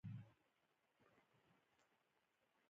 دوی باید له کانونو لکه سرو زرو استفاده وکړي